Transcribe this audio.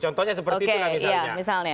contohnya seperti itu kan misalnya